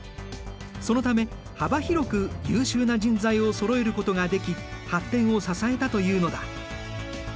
そのため幅広く優秀な人材をそろえることができ発展を支えたというのだ。